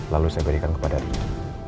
lalu saya berikan kepada dia